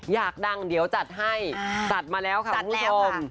อยากดังเดี๋ยวจัดให้จัดมาแล้วค่ะคุณผู้ชม